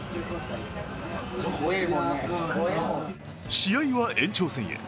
試合は延長戦へ。